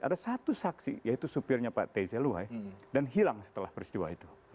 ada satu saksi yaitu supirnya pak tezaluhai dan hilang setelah peristiwa itu